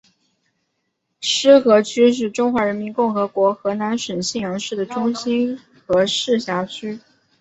浉河区是中华人民共和国河南省信阳市的中心和市辖区。